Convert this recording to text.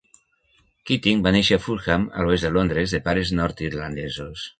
Keating va néixer a Fulham, a l'oest de Londres, de pares nord-irlandesos.